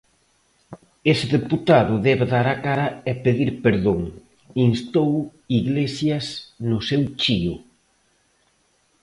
"Ese deputado debe dar a cara e pedir perdón", instou Iglesias no seu chío.